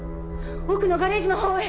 奥のガレージのほうへ。